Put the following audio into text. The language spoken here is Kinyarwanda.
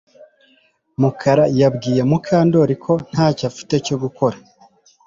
Mukara yabwiye Mukandoli ko ntacyo afite cyo gukora